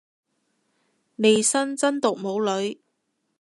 利申真毒冇女